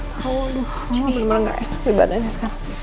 gak tau dulu bener bener gak enak dibadanya sekarang